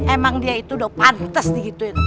emang dia itu doh pantas di gituin